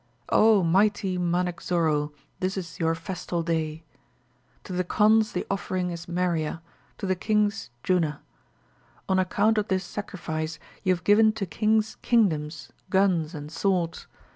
'Oh! mighty Manicksoro, this is your festal day. To the Khonds the offering is Meriah, to the kings Junna. On account of this sacrifice, you have given to kings kingdoms, guns, and swords.